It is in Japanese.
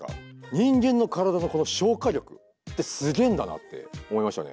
人間の体の消化力ってすげえんだなって思いましたね。